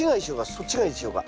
そっちがいいでしょうか？